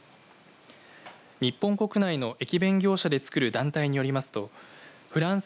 日本国内の駅弁業者でつくる団体によりますとフランス、